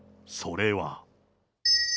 それは。